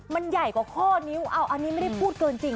มันใหญ่กว่าข้อนิ้วเอาอันนี้ไม่ได้พูดเกินจริง